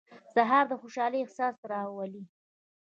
سهار د خوشحالۍ احساس راولي.